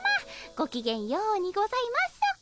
ごきげんようにございます。